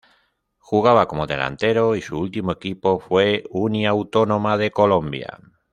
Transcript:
Jugaba como delantero y su ultimo equipo fue Uniautónoma de Colombia